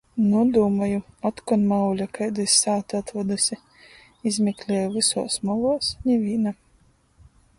Nu, dūmoju, otkon, mauļa, kaidu iz sātu atvaduse! Izmeklieju vysuos moluos - nivīna!